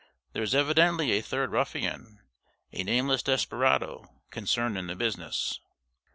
There is evidently a third ruffian, a nameless desperado, concerned in the business.